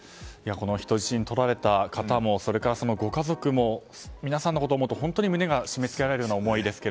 人質にとられた方もそれからそのご家族の皆さんのことを思うと本当に胸が締め付けられる思いですが。